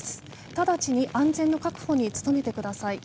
直ちに安全の確保に努めてください。